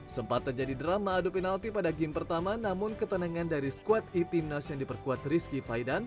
sempat terjadi drama adu penalti pada game pertama namun ketenangan dari squad e timnas yang diperkuat rizky faidan